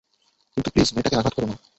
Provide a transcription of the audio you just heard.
কিন্তু প্লিজ মেয়েটাকে আঘাত করো না।